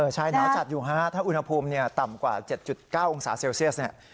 หนาวจัดอยู่ฮะถ้าอุณหภูมิต่ำกว่า๗๙องศาเซลเซียสเนี่ย